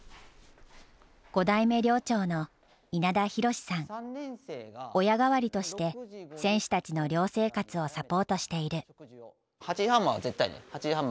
５代目寮長の親代わりとして選手たちの寮生活をサポートしている。